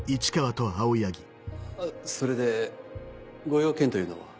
それでご用件というのは？